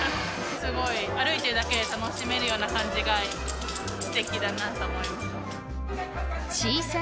すごい歩いてるだけで楽しめるような感じがすてきだなと思い